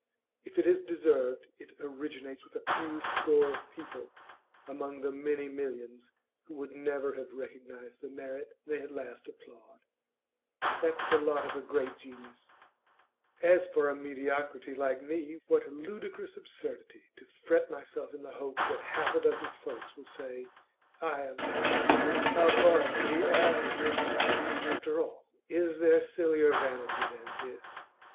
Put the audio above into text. If it is deserved, it originates with a few score of people among the many millions who would never have recognised the merit they at last applaud. That's the lot of a great genius. As for a mediocrity like me what ludicrous absurdity to fret myself in the hope that half a dozen folks will say I am "above the average!" After all, is there sillier vanity than this?